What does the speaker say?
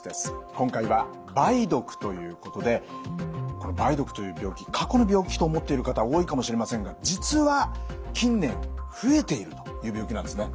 今回は梅毒ということでこの梅毒という病気過去の病気と思っている方多いかもしれませんが実は近年増えているという病気なんですね。